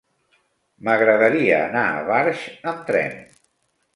M'agradaria anar a Barx amb tren.